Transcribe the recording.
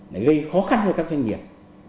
lại gây khó khăn cho các doanh nghiệp